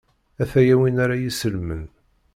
A-t-aya win ara y-isellmen.